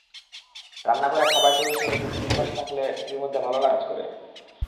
রান্নাঘরে, খাবার টেবিল সাজাতে স্ত্রীর পাশে থাকলে স্ত্রীর মধ্যে ভালোলাগা কাজ করে।